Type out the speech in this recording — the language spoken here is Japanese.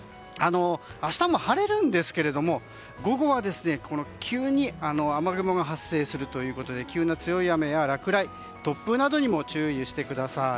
明日も晴れるんですけども午後は、急に雨雲が発生するということで急な強い雨や落雷、突風などにも注意してください。